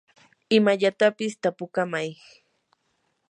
imallatapis tapukamay.